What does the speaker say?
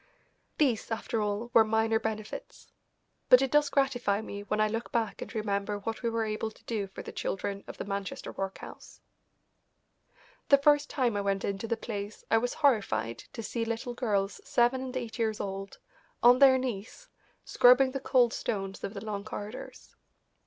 These, after all, were minor benefits. But it does gratify me when I look back and remember what we were able to do for the children of the Manchester workhouse. The first time I went into the place I was horrified to see little girls seven and eight years old on their knees scrubbing the cold stones of the long corridors.